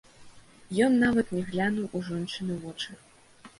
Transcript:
Ён нават не глянуў у жончыны вочы.